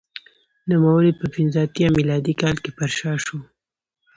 نوموړی په پنځه اتیا میلادي کال کې پرشا شو